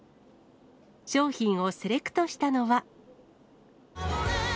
商品をセレクトしたのは。